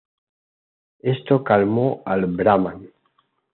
Esto calmó al brahman.